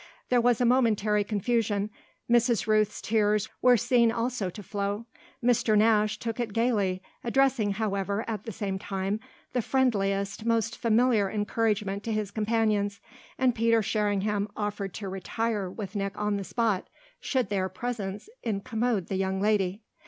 There was a momentary confusion; Mrs. Rooth's tears were seen also to flow; Mr. Nash took it gaily, addressing, however, at the same time, the friendliest, most familiar encouragement to his companions, and Peter Sherringham offered to retire with Nick on the spot, should their presence incommode the young lady.